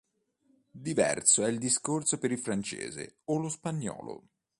Diverso è il discorso per il francese o lo spagnolo.